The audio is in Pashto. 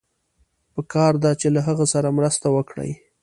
پکار ده چې له هغه سره مرسته وکړئ.